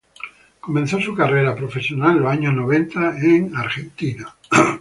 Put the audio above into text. Comenzó su carrera profesional en los años noventa en Argentina.